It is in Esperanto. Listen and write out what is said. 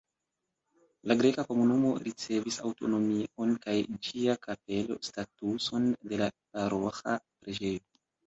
La greka komunumo ricevis aŭtonomion kaj ĝia kapelo statuson de la paroĥa preĝejo.